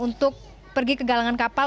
untuk pergi ke galangan kapal